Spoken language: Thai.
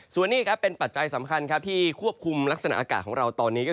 ส่วนนี้เป็นปัจไจสำคัญที่ควบคุมลักษณะอากาศเขาของเรา